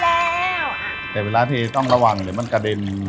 เดี๋ยวเวลาเฮียต้องระวังเดี๋ยวมันกระเด็น